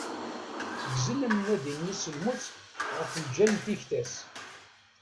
Ggzen amnadi-nni s lmut ɣef lǧal n tikta-s.